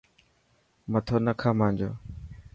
مٿو نا کا مانجو.